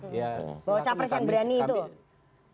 bawa capres yang berani itu